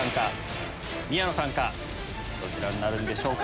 どちらになるんでしょうか？